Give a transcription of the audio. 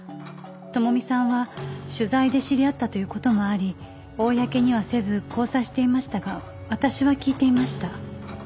朋美さんは取材で知り合ったという事もあり公にはせず交際していましたが私は聞いていました。